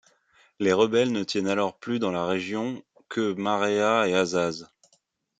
Les rebelles ne tiennent alors plus dans la région que Marea et Azaz.